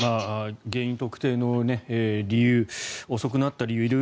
原因特定の理由遅くなった理由